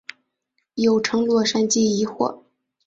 又称洛杉矶疑惑。